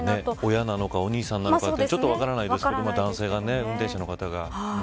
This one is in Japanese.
親なのかお兄さんなのか分からないですけど、男性が運転手の方が。